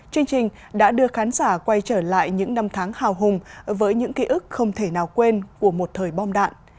chương trình đã đưa khán giả quay trở lại những năm tháng hào hùng với những ký ức không thể nào quên của một thời bom đạn